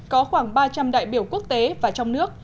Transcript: có khoảng ba trăm linh đại biểu quốc tế và trong nước